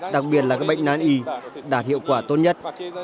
đặc biệt là các bệnh nán y đạt hiệu quả tốt nhất